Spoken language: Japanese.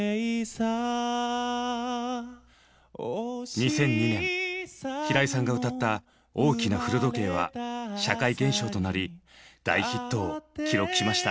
２００２年平井さんが歌った「大きな古時計」は社会現象となり大ヒットを記録しました。